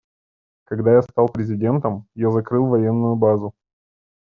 Когда я стал президентом, я закрыл военную базу.